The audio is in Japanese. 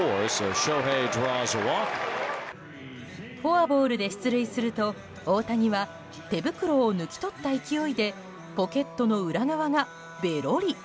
フォアボールで出塁すると大谷は、手袋を抜き取った勢いでポケットの裏側がべろり。